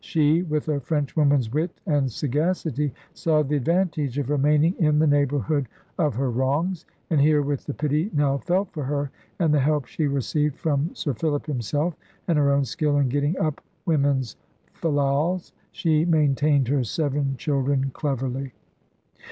She, with a Frenchwoman's wit and sagacity, saw the advantage of remaining in the neighbourhood of her wrongs; and here with the pity now felt for her, and the help she received from Sir Philip himself, and her own skill in getting up women's fal lals, she maintained her seven children cleverly.